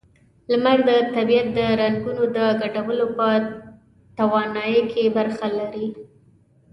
لمر د طبیعت د رنگونو د ګډولو په توانایۍ کې برخه لري.